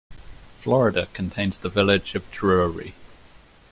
Florida contains the village of Drury.